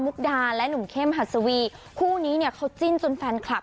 ดาและหนุ่มเข้มหัสวีคู่นี้เนี่ยเขาจิ้นจนแฟนคลับ